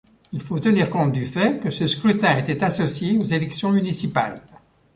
Il faut tenir compte du fait que ce scrutin était associé aux élections municipales.